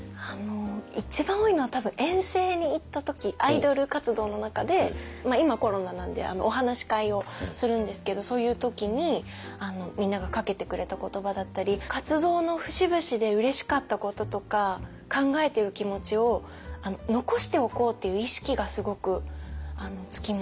一番多いのは多分遠征に行った時アイドル活動の中で今コロナなんでお話し会をするんですけどそういう時にみんながかけてくれた言葉だったり活動の節々でうれしかったこととか考えてる気持ちを残しておこうっていう意識がすごくつきました。